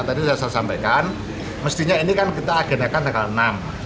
tadi sudah saya sampaikan mestinya ini kan kita agendakan tanggal enam